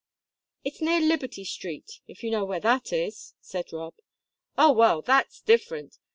"It's near Liberty Street, if you know where that is," said Rob. "Oh, well, that's different.